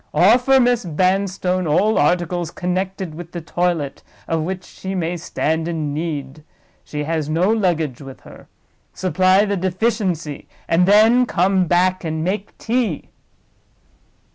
Offer Miss Vanstone all articles connected with the toilet of which she may stand in need. She has no luggage with her. Supply the deficiency, and then come back and make tea."